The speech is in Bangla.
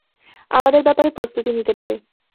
আমাদের ব্যাপারে প্রস্তুতি নিতে পারে।